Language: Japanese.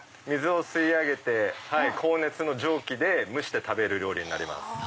水を吸い上げて高熱の蒸気で蒸して食べる料理になります。